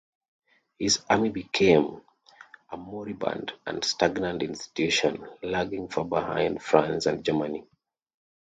His Army became a moribund and stagnant institution, lagging far behind France and Germany.